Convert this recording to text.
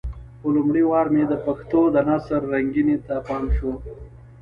په لومړي وار مې د پښتو د نثر رنګينۍ ته پام شو.